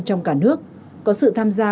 trong cả nước có sự tham gia